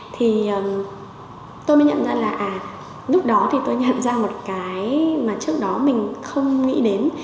thì tôi mới nhận ra là lúc đó thì tôi nhận ra một cái mà trước đó mình không nghĩ đến